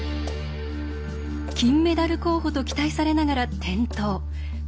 金メダル候補と期待されながら転倒。